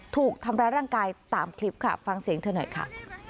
ถูกทำร้ายร่างกายตามคลิปค่ะฟังเสียงเธอหน่อยค่ะ